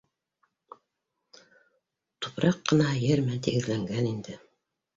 Тупраҡҡынаһы ер менән тигеҙләнгән инде.